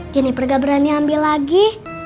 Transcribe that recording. jennifer gak berani ambil lagi